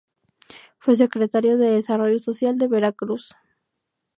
Fue Secretario de Desarrollo Social de Veracruz.